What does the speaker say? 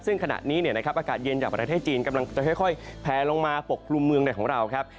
ซึ่งขณะนี้อากาศเย็นจากประเทศจีนกำลังจะค่อยแพลลงมาปกกลุ่มเมืองในของเราครับ